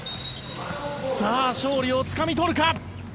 さあ、勝利をつかみ取るか。